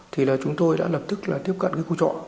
thì chúng tôi đã lập tức tiếp cận khu trọ